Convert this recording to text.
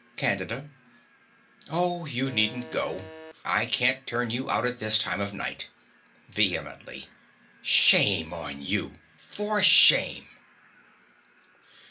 CANDIDA. Oh, you needn't go: I can't turn you out at this time of night. (Vehemently.) Shame on you! For shame!